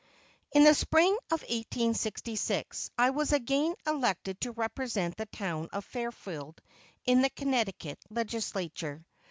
In the spring of 1866, I was again elected to represent the town of Fairfield in the Connecticut Legislature.